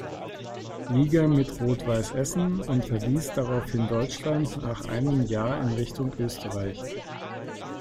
Liga mit Rot-Weiss Essen und verliess daraufhin Deutschland nach einem Jahr in Richtung Österreich.